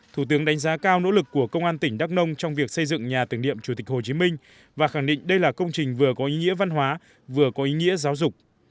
thủ tướng đánh giá cao nỗ lực của công an tỉnh đắk nông trong việc xây dựng nhà tưởng niệm chủ tịch hồ chí minh và khẳng định đây là công trình vừa có ý nghĩa văn hóa vừa có ý nghĩa giáo dục